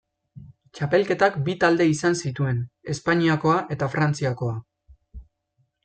Txapelketak bi talde izan zituen: Espainiakoa eta Frantziakoa.